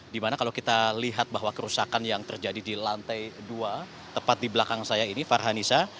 dimana kalau kita lihat bahwa kerusakan yang terjadi di lantai dua tepat di belakang saya ini farhanisa